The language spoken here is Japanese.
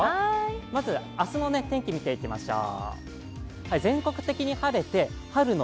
まず明日の天気、見ていきましょう